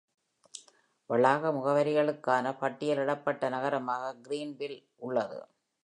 வளாக முகவரிகளுக்கான பட்டியலிடப்பட்ட நகரமாக Greenville உள்ளது.